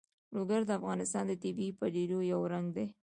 لوگر د افغانستان د طبیعي پدیدو یو رنګ دی.